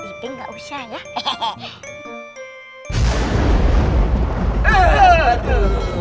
iping gak usah ya